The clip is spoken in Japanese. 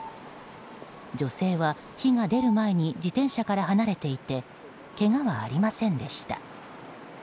女性は、火が出る前に自転車から離れていてけがはありませんでした。